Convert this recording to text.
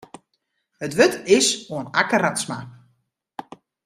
It wurd is oan Akke Radsma.